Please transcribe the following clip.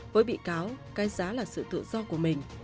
với bị cáo cái giá là sự tự do của mình